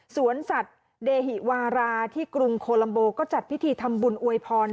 สวนสัตว์เดหิวาราที่กรุงโคลัมโบก็จัดพิธีทำบุญอวยพร